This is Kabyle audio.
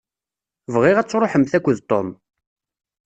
Bɣiɣ ad tṛuḥemt akked Tom.